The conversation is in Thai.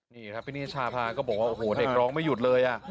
นี่ครับพี่นิชาพาก็บอกว่าโอ้โหเด็กร้องไม่หยุดเลย